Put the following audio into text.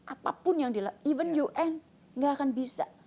apapun yang di dalam even un nggak akan bisa